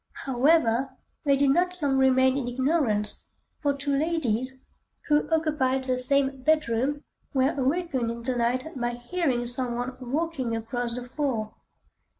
However, they did not long remain in ignorance, for two ladies, who occupied the same bedroom, were awakened in the night by hearing some one walking across the floor.